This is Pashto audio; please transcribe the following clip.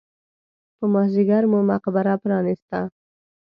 په مازیګر مو مقبره پرانېسته.